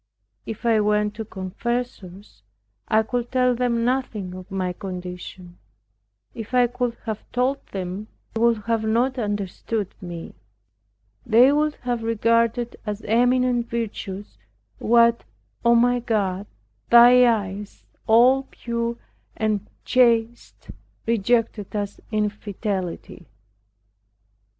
If I went to confessors, I could tell them nothing of my condition. If I could have told them, they would have not understood me. They would have regarded as eminent virtues, what, O my God, thy eyes all pure and chaste rejected as infidelity.